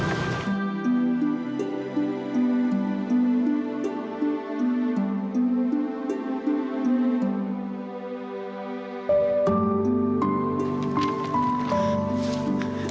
nanti gue bawa roti